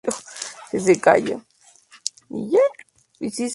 O'Sullivan hizo un pequeño papel en la película "Michael Collins" de Neil Jordan.